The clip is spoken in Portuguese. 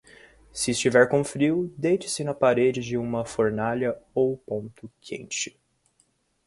Se estiver com frio, deite-se na parede de uma fornalha ou ponto quente.